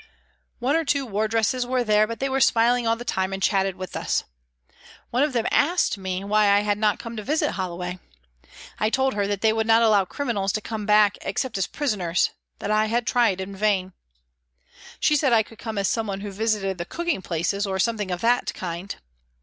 One or two wardresses were there, but they were smiling all the time and chatted with us. One of them asked me why I had not come to visit Hollo way. I told her that they would not allow " criminals " to come back except as prisoners, that I had tried in vain. She said I could come as someone who visited the cooking places, or something of that kind.